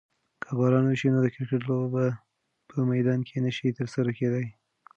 که باران وشي نو د کرکټ لوبه په میدان کې نشي ترسره کیدی.